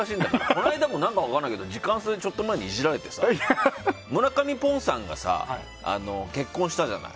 この間も何か分からないけど時間差で少しいじられてさ村上ポンさんが結婚したじゃない。